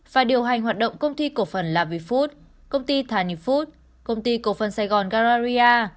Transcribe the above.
và điều hành hoạt động công ty cổ phần lavifood công ty thanifood công ty cổ phần sài gòn galleria